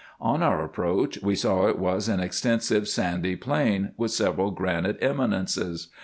On our approach we saw it was an extensive sandy plain, with several granite eminences.